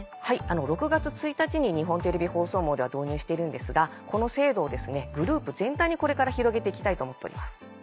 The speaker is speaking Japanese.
６月１日に日本テレビ放送網では導入しているんですがこの制度をグループ全体にこれから広げて行きたいと思っております。